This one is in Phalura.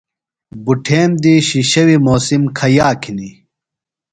بُٹھیم دی شِشیویۡ موسم کھیاک ہِنیۡ؟